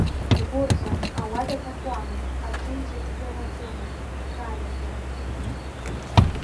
Дгәырӷьон, ауада дакуамызт, аԥенџьыр дылаӡомызт Галиагьы.